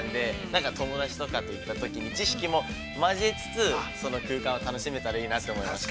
なんか友達とかと行ったときに、知識も交えつつ、その空間を楽しめたらいいなと思います。